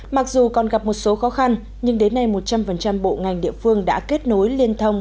mặc dù còn gặp một số khó khăn nhưng đến nay một trăm linh bộ ngành địa phương đã kết nối liên thông